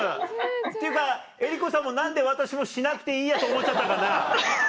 っていうかえりこさんも何で私もしなくていいやと思っちゃったかな？